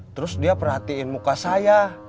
terus dia perhatiin muka saya